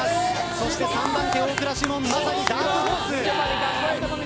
そして３番手、大倉士門まさにダークホース。